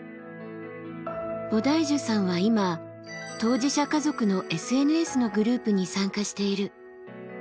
ボダイジュさんは今当事者家族のＳＮＳのグループに参加している。